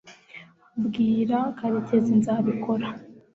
bwira karekezi nzabikora